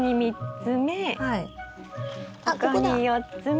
ここに４つ目。